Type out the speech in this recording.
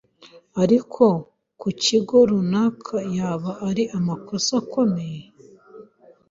ariko ku kigo runaka yaba ari amakosa akomeye